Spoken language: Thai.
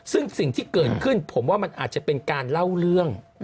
ซึ่งสิ่งที่เกิดขึ้นผมว่ามันอาจจะเป็นการเล่าเรื่อง